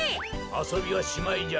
あそびはしまいじゃ。